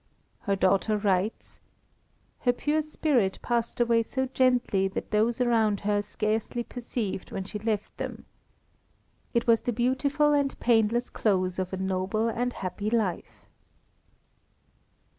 Her daughter writes, "Her pure spirit passed away so gently that those around her scarcely perceived when she left them. It was the beautiful and painless close of a noble and happy life."